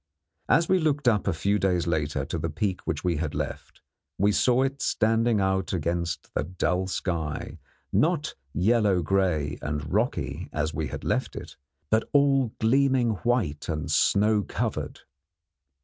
As we looked up a few days later to the peak which we had left, we saw it standing out against the dull sky, not yellow grey and rocky as we had left it, but all gleaming white and snow covered.